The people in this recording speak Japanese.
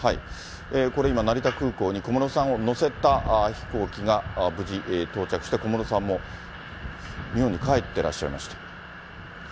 これ、今成田空港に小室さんを乗せた飛行機が、無事到着して、小室さんも日本に帰ってらっしゃいました。